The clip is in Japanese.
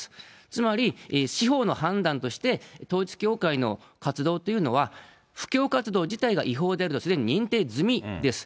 つまり司法の判断として、統一教会の活動というのは、布教活動自体が違法であるとすでに認定済みです。